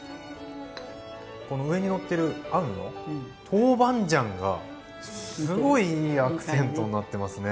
この上にのってるあんの豆板醤がすごいいいアクセントになってますね。